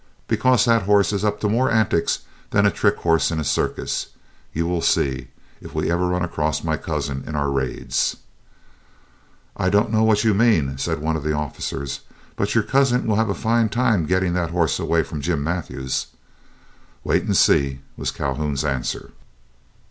"Because that horse is up to more antics than a trick horse in a circus. You will see, if we ever run across my cousin in our raids." "I don't know what you mean," said one of the officers, "but your cousin will have a fine time getting that horse away from Jim Mathews." "Wait and see," was Calhoun's answer.